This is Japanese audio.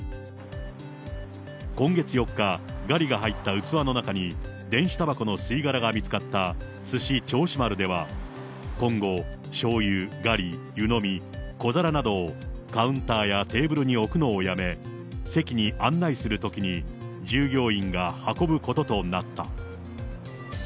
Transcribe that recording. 今月４日、がりが入った器の中に電子たばこの吸い殻が見つかったすし銚子丸では、今後、しょうゆ、がり、湯飲み、小皿などをカウンターやテーブルに置くのをやめ、席に案内するときに従業員が運ぶこととなった。